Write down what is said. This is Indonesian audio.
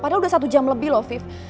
padahal udah satu jam lebih loh afif